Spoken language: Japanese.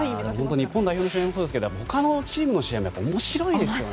日本代表戦もそうですけど他のチームの試合も面白いですから。